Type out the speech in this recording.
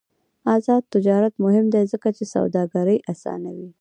آزاد تجارت مهم دی ځکه چې سوداګري اسانوي.